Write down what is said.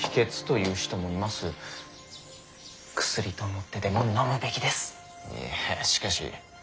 いやしかし。